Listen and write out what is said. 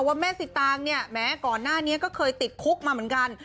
ว่าแม่สิตางเนี่ยแม้ก่อนหน้านี้ก็เคยติดคุกมาเหมือนกัน